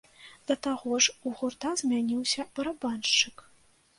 Да таго ж у гурта змяніўся барабаншчык.